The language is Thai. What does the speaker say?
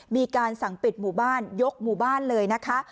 มีการสั่งปิดหมู่บ้านยกหมู่บ้านเลยนะคะ